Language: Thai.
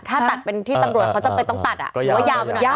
ถ้าตัดเป็นที่ตำรวจคตตัดเนี่ยก็จะยาวไปหน่อย